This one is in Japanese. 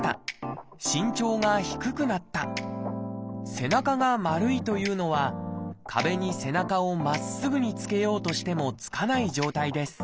背中が丸いというのは壁に背中をまっすぐにつけようとしてもつかない状態です。